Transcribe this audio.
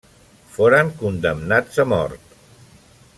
Foren condemnats a mort.